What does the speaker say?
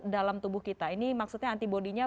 dalam tubuh kita ini maksudnya antibody nya